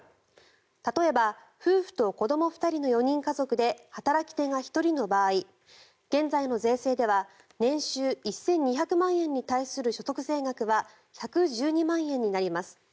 例えば夫婦と子ども２人の４人家族で働き手が１人の場合現在の税制では年収１２００万円に対する所得税額は１１２万円になります。